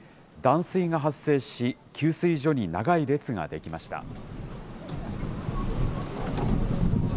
断水が発生し、給水所に長い列が出来ました。